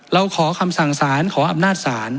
เราขอคำสั่งสารขออำนาจศาล